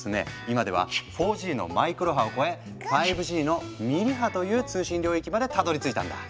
今では４Ｇの「マイクロ波」を超え５Ｇの「ミリ波」という通信領域までたどりついたんだ。